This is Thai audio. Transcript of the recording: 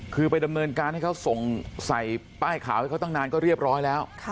คือไปดำเนินการให้เขาส่งใส่ป้ายข่าวให้เขาตั้งนานก็เรียบร้อยแล้ว